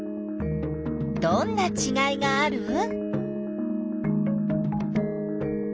どんなちがいがある？